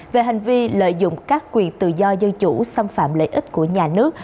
về hành vi lợi dụng các quyền tự do dân chủ xâm phạm lợi ích của nhà nước